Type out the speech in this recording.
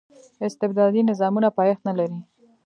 استبدادي نظامونه پایښت نه لري.